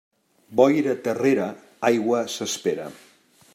Boira terrera, aigua s'espera.